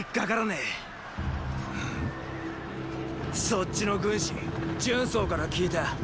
そっちの軍師荀早から聞いた。